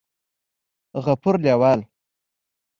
غفور لېوال